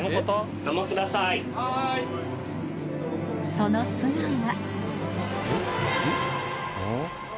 その素顔は。